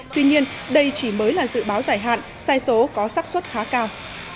tuy nhiên đây chỉ mới là dự báo giải hạn sai số có sắc xuất khá cao